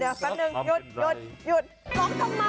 เดี๋ยวสักนึงหยุดหยุดหลอกทำไม